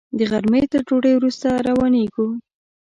د غرمې تر ډوډۍ وروسته روانېږو.